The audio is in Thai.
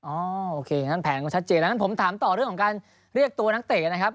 โอเคงั้นแผนก็ชัดเจนดังนั้นผมถามต่อเรื่องของการเรียกตัวนักเตะนะครับ